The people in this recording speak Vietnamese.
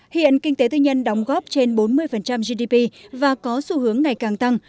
hiện kinh tế tư nhân đóng góp trên bốn mươi gdp và có xu hướng ngày càng tăng